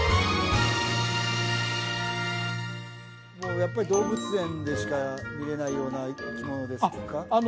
やっぱり動物園でしか見れないような生き物ですか？